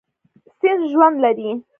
سیند ژوند لري.